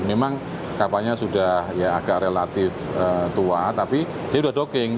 memang kapalnya sudah agak relatif tua tapi dia sudah docking